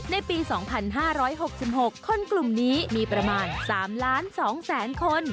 ในปี๒๕๖๖คนกลุ่มนี้มีประมาณ๓ล้าน๒แสนคน